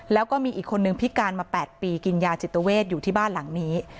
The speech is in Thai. แล้วก็มีอีกคนนึงพิการมา๘ปีกินยาจิตเวทอยู่ที่บ้านหลังนี้